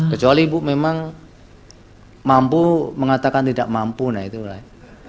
kecuali ibu memang mampu mengatakan tidak mampu nah itulah